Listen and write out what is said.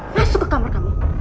masuk ke kamar kamu